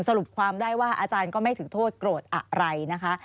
สรุปความได้ว่าอาจารย์ก็ไม่ถือโทษโกรธอะไรนะคะ